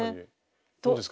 どうですか？